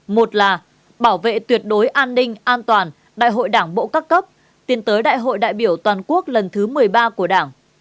một là bảo vệ tuyệt đối an ninh an toàn đại hội đảng bộ các cấp